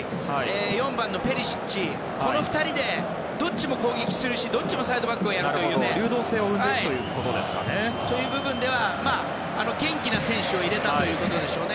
４番のペリシッチの２人でどっちも攻撃するしどっちもサイドバックをやるという部分では元気な選手を入れたということでしょうね。